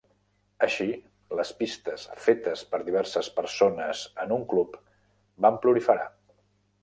Així, les pistes fetes per diverses persones en un club van proliferar.